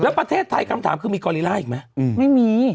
แล้วประเทศไทยคำถามคือมีกอรีล่าอีกไหมไม่มี